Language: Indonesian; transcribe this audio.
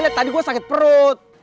lihat tadi gue sakit perut